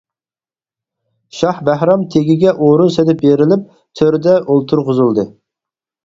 شاھ بەھرام تېگىگە ئورۇن سېلىپ بېرىلىپ تۆردە ئولتۇرغۇزۇلدى.